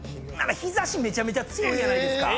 日差しめちゃめちゃ強いやないですか。